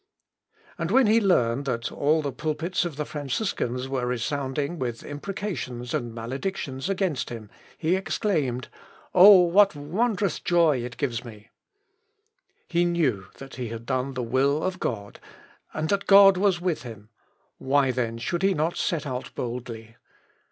And when he learned that all the pulpits of the Franciscans were resounding with imprecations and maledictions against him, he exclaimed, "O what wondrous joy it gives me!" He knew that he had done the will of God, and that God was with him; why then should he not set out boldly?